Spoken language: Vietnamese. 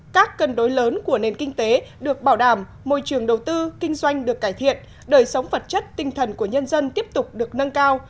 các cân đối lớn của nền kinh tế được bảo đảm môi trường đầu tư kinh doanh được cải thiện đời sống vật chất tinh thần của nhân dân tiếp tục được nâng cao